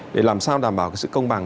để làm sao đảm bảo sự công bằng